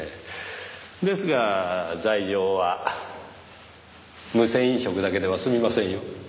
ですが罪状は無銭飲食だけでは済みませんよ。